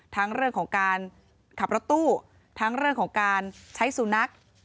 ทั้งเรื่องของการขับรถตู้ทั้งเรื่องของการใช้สุนัข